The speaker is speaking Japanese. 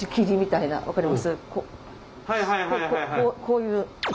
こういう。